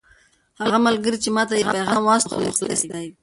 هغه ملګری چې ما ته یې پیغام واستاوه مخلص دی.